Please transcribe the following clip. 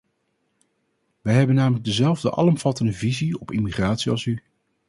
Wij hebben namelijk dezelfde alomvattende visie op immigratie als u.